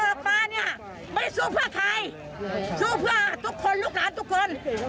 ออกมาเนี่ยไม่สู้เพื่อใครสู้เพื่อทุกคนลูกหลานทุกคน